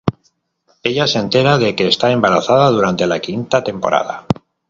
Ella se entera de que está embarazada durante la quinta temporada.